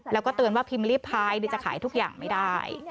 แล้วก็เตือนว่าพิมพ์ลิพายจะขายทุกอย่างไม่ได้